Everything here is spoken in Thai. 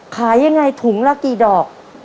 ขายยังไงถุงละกี่ดอก